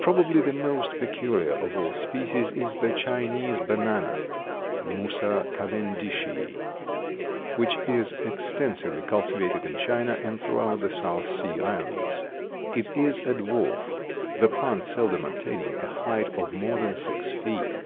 Probably the most peculiar of all the species is the Chinese banana (Musa Cavendishii), which is extensively cultivated in China and throughout the South Sea Islands. It is a dwarf, the plant seldom attaining a height of more than six feet.